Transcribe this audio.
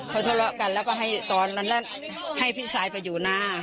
เขาทะเลาะกันแล้วก็ให้พี่ชายไปอยู่หน้า